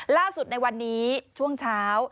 ล่าสุดในวันนี้ช่วงเช้า